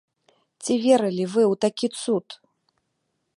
Ці верылі вы ў такі цуд?